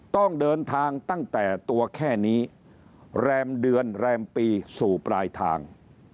ต้องเดินทางตั้งแต่ตัวแค่นี้แรมเดือนแรมปีสู่ปลายทาง